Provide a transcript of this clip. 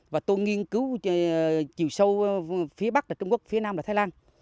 và tôi nghiên cứu chiều sâu phía bắc là trung quốc phía nam và thái lan